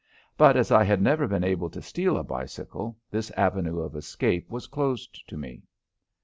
But as I had never been able to steal a bicycle, this avenue of escape was closed to me.